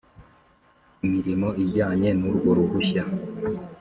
imirimo ijyanye n urwo ruhushya